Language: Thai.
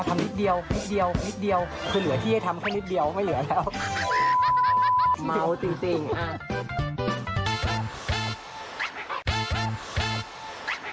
คือเหนือที่ให้ทำแค่นิดเดียวก็ไม่เหนือแล้ว